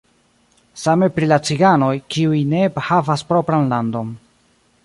Same pri la ciganoj, kiuj ne havas propran landon.